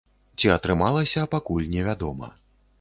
Ці атрымалася, пакуль невядома.